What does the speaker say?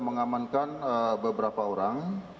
mengamankan beberapa orang